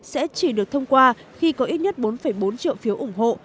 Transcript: sẽ chỉ được thông qua khi có ít nhất bốn bốn triệu phiếu ủng hộ